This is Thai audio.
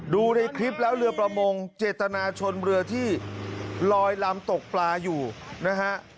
ดูในคลิปแล้วเรือประมงเจตนาชนเรือที่ลอยลำตกปลาอยู่นะฮะ